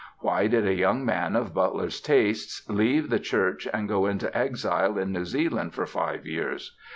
Why did a young man of Butler's tastes leave the church and go into exile in New Zealand for five years?